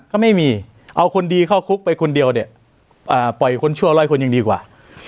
ก็ไม่มีเอาคนดีเข้าคุกไปคนเดียวเนี่ยปล่อยคนชั่วร้อยคนยังดีกว่า